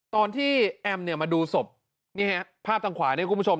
ตอนที่แอมเนี่ยมาดูศพนี่ฮะภาพทางขวาเนี่ยคุณผู้ชม